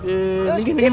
eh binggir binggir